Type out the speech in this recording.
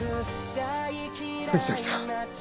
藤崎さん。